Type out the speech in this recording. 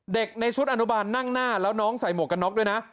เด็กในชุดอนุบาลนั่งหน้าแล้วน้องใส่หมวกกันน็อกด้วยนะ